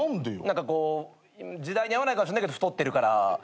何かこう時代に合わないかもしれないけど太ってるから。